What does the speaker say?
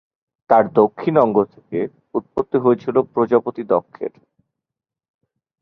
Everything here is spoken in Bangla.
তার দক্ষিণ অঙ্গ থেকে উৎপত্তি হয়েছিল প্রজাপতি দক্ষের।